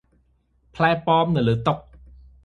ផ្លែប៉ោមនៅលើតុ។